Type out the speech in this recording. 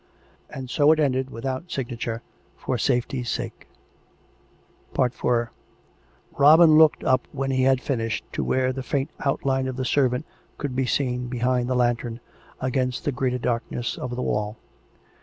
And so it ended, without signature — for safety's sake. IV Robin looked up when he had finished to where the faint outline of the servant could be seen behind the lantern, against the greater darkness of the wall.